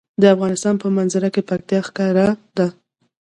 د افغانستان په منظره کې پکتیکا ښکاره ده.